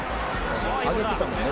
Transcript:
挙げてたもんね